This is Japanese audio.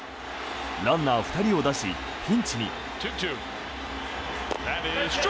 ランナー２人を出し、ピンチに。